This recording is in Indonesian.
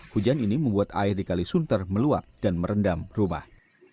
hujan ini membuat air di kalisunter meluap dan merendam rumah